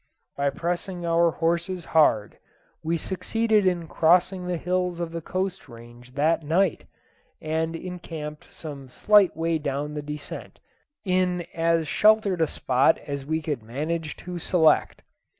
By pressing our horses hard we succeeded in crossing the hills of the coast range that night, and encamped some slight way down the descent, in as sheltered a spot as we could manage to select.